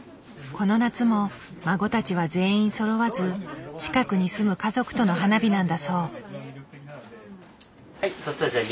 この夏も孫たちは全員そろわず近くに住む家族との花火なんだそう。